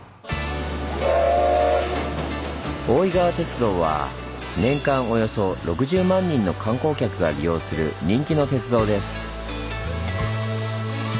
大井川鉄道は年間およそ６０万人の観光客が利用する人気の鉄道です。